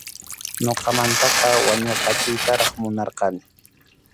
Ñuqamantaqa wañurqachiytaraq munarqani.